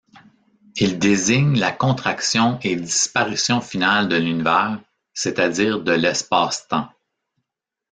Il désigne la contraction et disparition finale de l'Univers, c'est-à-dire de l'espace-temps.